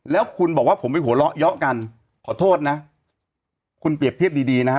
แล้วคุณบอกว่าผมไปหัวเราะเยาะกันขอโทษนะคุณเปรียบเทียบดีดีนะฮะ